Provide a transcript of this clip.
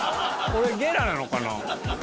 俺、ゲラなのかな？